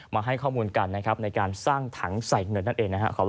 มาให้ข้อมูลกันนะครับในการสร้างถังใส่เงินนั่นเองนะครับ